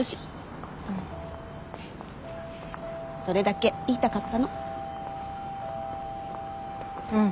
それだけ言いたかったの。